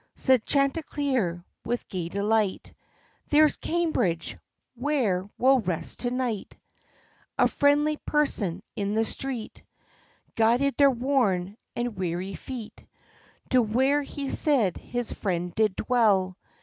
Said Chanticleer, with gay delight, " There's Cambridge, where we rest to night" A friendly person in the street Guided their worn and weary feet To where he said his friend did dwell.